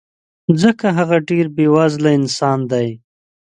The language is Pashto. ځکه هغه ډېر بې وزله انسان دی